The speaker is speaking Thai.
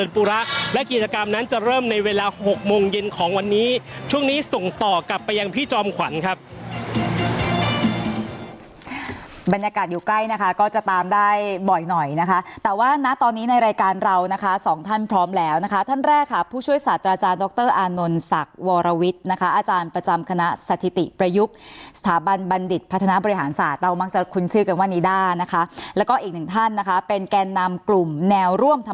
ช่วงนี้ส่งต่อกลับไปยังพี่จอมขวัญครับบรรยากาศอยู่ใกล้นะคะก็จะตามได้บ่อยหน่อยนะคะแต่ว่าณตอนนี้ในรายการเรานะคะสองท่านพร้อมแล้วนะคะท่านแรกค่ะผู้ช่วยศาสตราจารย์ดรอานนท์ศักดิ์วรวิทย์นะคะอาจารย์ประจำคณะสถิติประยุกต์สถาบันบัณฑิตพัฒนาบริหารศาสตร์เรามักจะคุ้นชื่อกันว่านิด้านะคะแล้วก็อีกหนึ่งท่านนะคะเป็นแกนนำกลุ่มแนวร่วมท